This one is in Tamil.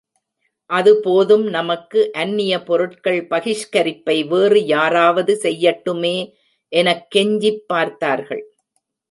அது போதும் நமக்கு அந்நிய பொருட்கள் பகிஷ்கரிப்பை வேறு யாராவது செய்யட்டுமே எனக் கெஞ்சிப் பார்த்தார்கள்!